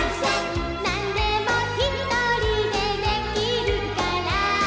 「何でもひとりでできるから」